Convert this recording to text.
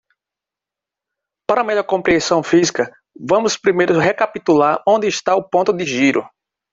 Para melhor compreensão física, vamos primeiro recapitular onde está o ponto de giro.